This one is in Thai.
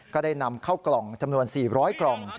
ก็ได้นำเข้ากล่องจำนวน๔๐๐กล่อง